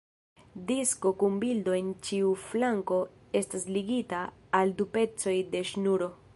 Disko kun bildo en ĉiu flanko estas ligita al du pecoj de ŝnuro.